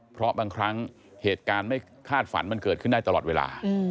เพราะบางครั้งเหตุการณ์ไม่คาดฝันมันเกิดขึ้นได้ตลอดเวลา